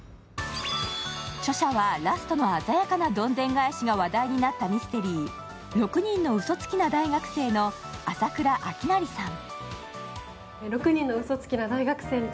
著者は、ラストの鮮やかりどんでん返しが、話題になったミステリー「六人の嘘つきな大学生」の浅倉秋成さん。